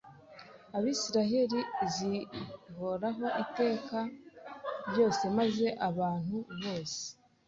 Abisirayeli zihoraho iteka ryose Maze abantu bose